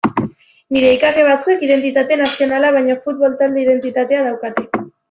Nire ikasle batzuek identitate nazionala baino futbol-talde identitatea daukate.